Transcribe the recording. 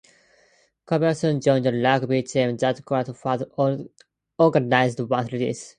Guevara soon joined a rugby team that Granado had organized once released.